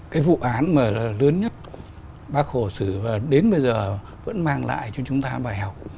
cái vụ án mà lớn nhất bác hồ sử và đến bây giờ vẫn mang lại cho chúng ta bài học